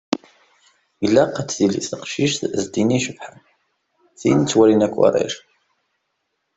Ilaq ad tili teqcict d tin icebḥen, tin ttwalin akk yiqcicen.